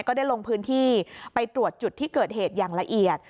ก็ได้ลงพื้นที่ไปตรวจจุดที่เกิดเหตุอย่างละเอียด